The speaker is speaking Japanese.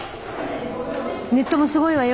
ネットもすごいわよ